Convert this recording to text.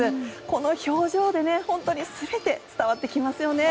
この表情で本当に全て伝わってきますよね。